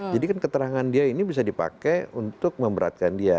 jadi kan keterangan dia ini bisa dipakai untuk memberatkan dia